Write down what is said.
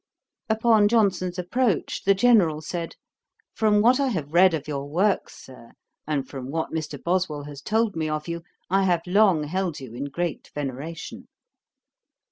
Upon Johnson's approach, the General said, 'From what I have read of your works, Sir, and from what Mr. Boswell has told me of you, I have long held you in great veneration.'